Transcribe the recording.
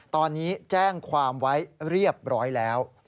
ตอนนี้แจ้งความไว้เรียบร้อยแล้ว